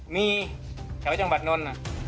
มีสถานแวะจังบัตรนั้น